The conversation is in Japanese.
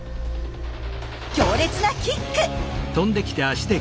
強烈なキック！